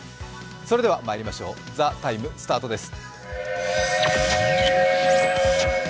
それではまいりましょう、「ＴＨＥＴＩＭＥ，」スタートです。